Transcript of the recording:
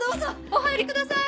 お入りください！